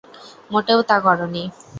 মোটেও তা করোনি।